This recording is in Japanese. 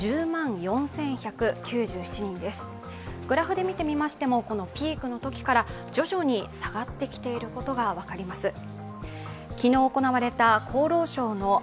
グラフで見てみましてもピークのときから徐々に下がってきていることが分かります。